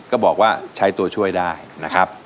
ก็บอกว่าใช้ตัวช่วยได้นะครับ